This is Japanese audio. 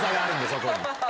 そこに。